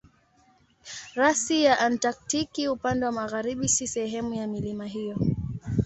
Rasi ya Antaktiki upande wa magharibi si sehemu ya milima hiyo.